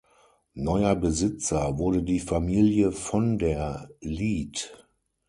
Neuer Besitzer wurde die Familie von der Lieth.